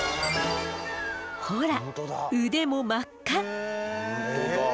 ほら腕も真っ赤。